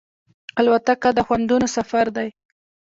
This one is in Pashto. الوتکه د خوندونو سفر دی.